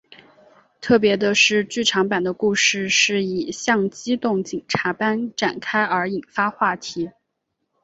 特别的是剧场版的故事是以像机动警察般展开而引发话题。